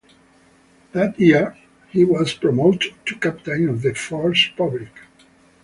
That year he was promoted to captain of the "Force Publique".